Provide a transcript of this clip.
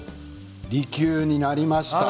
利久になりました。